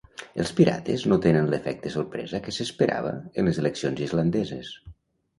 Els Pirates no tenen l'efecte sorpresa que s'esperava en les eleccions islandeses.